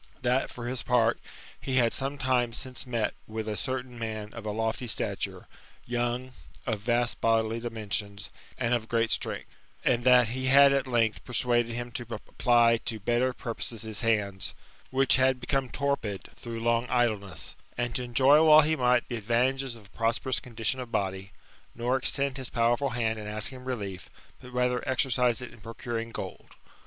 That, for his part, he had some time since met with a certain man of a lofty stature, young, of vast bodily dimensions, and of great strength^ ; and that he had at length persuaded him to apply to better purposes his hands, which had become torpid through long idleness; and to enjoy while he might the advantages of a prosperous condition of body; nor extend his powerful hand in asking relief, but rather exercise it in procuring gold."